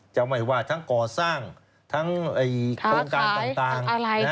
จะไม่ว่าทั้งก่อสร้างทั้งโครงการต่าง